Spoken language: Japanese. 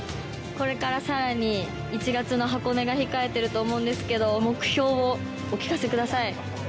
これからさらに１月の箱根が控えてると思うんですけど、目標をお聞かせください。